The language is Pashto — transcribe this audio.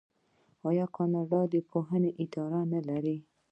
آیا کاناډا د پوهنې اداره نلري؟